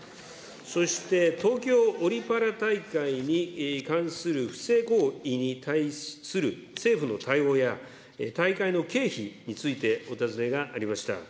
そして、東京オリパラ大会に関する不正行為に対する政府の対応や、大会の経費についてお尋ねがありました。